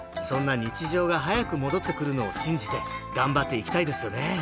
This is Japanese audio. そんな日常が早く戻ってくるのを信じて頑張っていきたいですよね